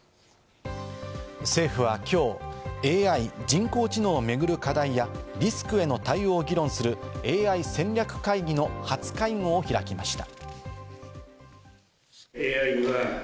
政府は今日、ＡＩ＝人工知能をめぐる課題やリスクへの対応を議論するＡＩ戦略会議の初会合を開きました。